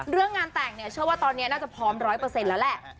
เรื่องงานแต่งเนี่ยเชื่อว่าตอนเนี้ยน่าจะพร้อมร้อยเปอร์เซ็นต์แล้วแหละ